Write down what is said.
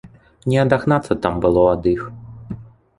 Не адагнацца там было ад іх!